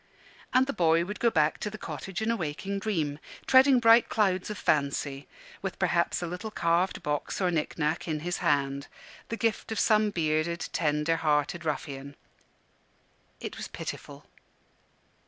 And the child would go back to the cottage in a waking dream, treading bright clouds of fancy, with perhaps a little carved box or knick knack in his hand, the gift of some bearded, tender hearted ruffian. It was pitiful.